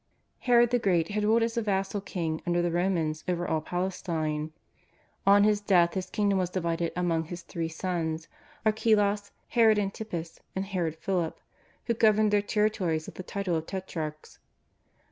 Herod the Great had ruled as a vassal king under the Romans over all Palestine. On his death his kingdom was divided among his three sons, Archelaus, Herod An tipas, and Herod Philip, who governed their territories with the title of tetrarchs.